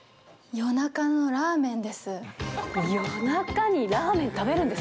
夜中のラーメンです。